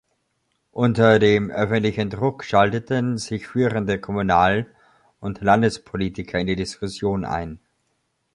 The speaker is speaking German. Unter dem öffentlichen Druck schalteten sich führende Kommunal- und Landespolitiker in die Diskussion ein.